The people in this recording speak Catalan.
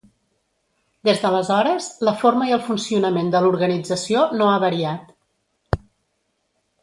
Des d'aleshores, la forma i el funcionament de l'organització no ha variat.